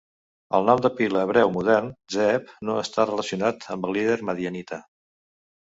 El nom de pila hebreu modern Ze'ev no està relacionat amb el líder madianita.